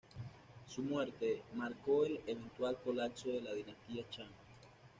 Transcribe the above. Su muerte marcó el eventual colapso de la dinastía Shang.